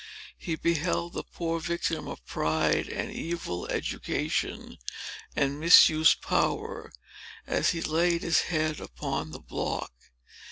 He beheld the poor victim of pride, and an evil education, and misused power, as he laid his head upon the block.